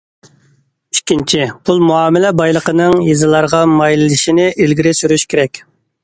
ئىككىنچى، پۇل مۇئامىلە بايلىقىنىڭ يېزىلارغا مايىللىشىشىنى ئىلگىرى سۈرۈش كېرەك.